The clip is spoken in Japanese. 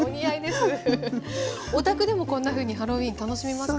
お宅でもこんなふうにハロウィーン楽しみますか？